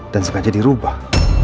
dan sengaja dirubah